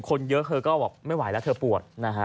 คนเยอะเธอก็บอกไม่ไหวแล้วเธอปวดนะฮะ